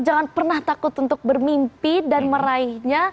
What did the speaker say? jangan pernah takut untuk bermimpi dan meraihnya